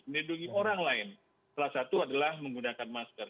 melindungi orang lain salah satu adalah menggunakan masker